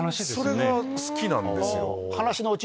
それが好きなんですよ。